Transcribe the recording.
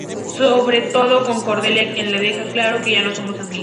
Sobre todo con Cordelia quien le deja en claro que ya no son amigos.